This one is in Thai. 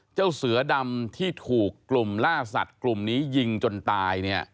เจ้าเสือดำที่ถูกกลุ่มล่าสัตว์กลุ่มนี้ยิงจนตายเนี่ย